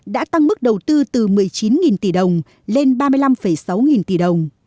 đã tăng mức đầu tư từ một mươi chín tỷ đồng lên ba mươi năm sáu trăm linh